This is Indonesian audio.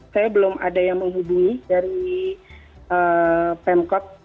saya belum ada yang menghubungi dari pemkot